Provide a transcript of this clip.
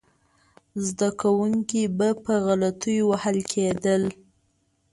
زده کوونکي به په غلطیو وهل کېدل.